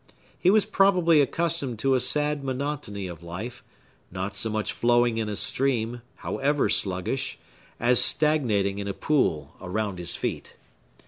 He was probably accustomed to a sad monotony of life, not so much flowing in a stream, however sluggish, as stagnating in a pool around his feet.